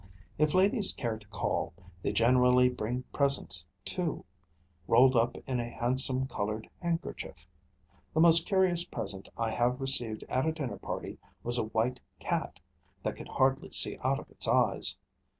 If ladies care to call, they generally bring presents too, rolled up in a handsome, coloured handkerchief. The most curious present I have received at a dinner party was a white cat, that could hardly see out of its eyes.